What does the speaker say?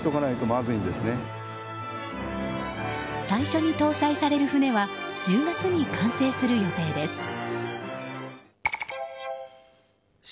最初に搭載される船は１０月に完成する予定です。